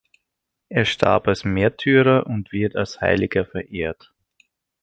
Er starb als Märtyrer und wird als Heiliger verehrt.